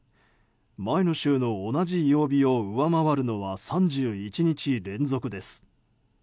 前の週の同じ曜日を上回るのは３１日連続です。